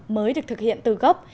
mới được thực hiện từ gốc